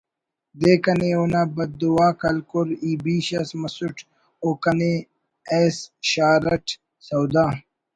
دے کنے اونا بددعاک ہلکر ای بیش اس مسٹ او کنے ایس شار اٹ سودا